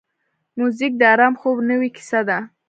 موزیک د آرام خوب نوې کیسه ده.